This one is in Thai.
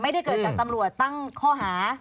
ไม่ได้เกิดจากตำรวจตั้งข้อหา